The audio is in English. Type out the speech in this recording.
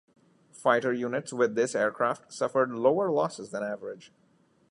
Fighter units with this aircraft suffered lower losses than average.